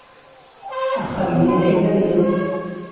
Axxam-nni d ayla-nnes.